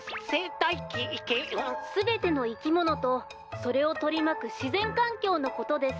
すべてのいきものとそれをとりまくしぜんかんきょうのことです。